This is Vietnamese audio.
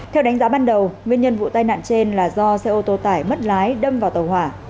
theo đánh giá ban đầu nguyên nhân vụ tai nạn trên là do xe ô tô tải mất lái đâm vào tàu hỏa